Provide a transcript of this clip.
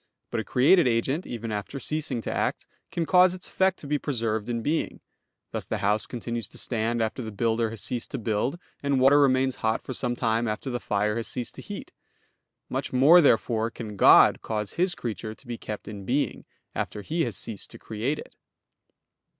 But a created agent, even after ceasing to act, can cause its effect to be preserved in being; thus the house continues to stand after the builder has ceased to build; and water remains hot for some time after the fire has ceased to heat. Much more, therefore, can God cause His creature to be kept in being, after He has ceased to create it.